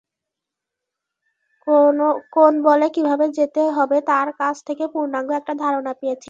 কোন বলে কীভাবে যেতে হবে তাঁর কাছ থেকে পূর্ণাঙ্গ একটা ধারণা পেয়েছিলাম।